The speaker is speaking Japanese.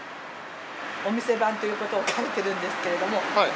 「お店番」ということを書いてるんですけれども。